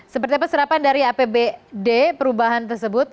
seperti peserapan dari apbd perubahan tersebut